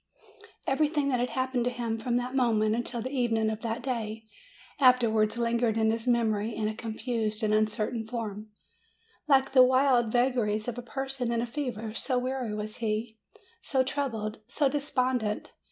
Everything that happened to him from that mo ment until the evening of that day ever afterwards lingered in his memory in a confused and uncertain form, like the wild vagaries of a person in a fever, so weary was he, so troubled, so despondent.